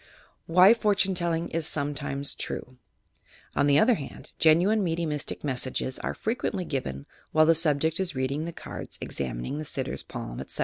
WHY POHTUNE TELLINO IS ROMETIMES TRDB On the other hand, genuine mediumistic messages are frequently given while the subject is reading the cards, examining the sitter's palm, etc.